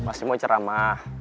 masih mau ceramah